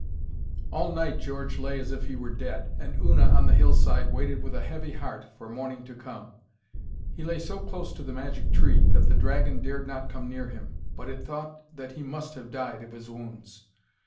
All night George lay as if he were dead, and Una, on the hillside, waited with a heavy heart for morning to come. He lay so close to the magic tree that the dragon dared not come near him, but it thought that he must have died of his wounds.